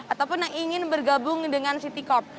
ataupun yang ingin bergabung dengan city corp